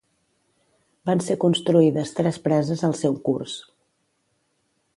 Van ser construïdes tres preses al seu curs.